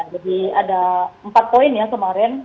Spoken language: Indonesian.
jadi ada empat poin ya kemarin